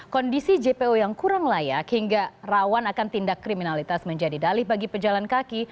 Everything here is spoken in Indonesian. kondisi jpo yang kurang layak hingga rawan akan tindak kriminalitas menjadi dalih bagi pejalan kaki